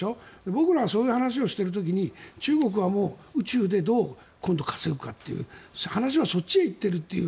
僕らがそういう話をしている時に中国はもう宇宙で今度どう稼ぐかという話はそっちへ行っているという。